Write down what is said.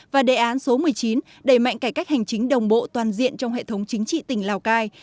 và đề án số một mươi chín đẩy mạnh cải cách hành chính đồng bộ toàn diện trong hệ thống chính trị tỉnh lào cai